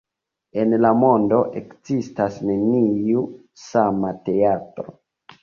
En la mondo ekzistas neniu sama teatro.